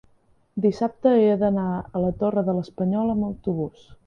dissabte he d'anar a la Torre de l'Espanyol amb autobús.